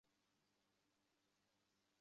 কখনো-বা আমি চুপ করে শুনতাম তার আবৃত্তি।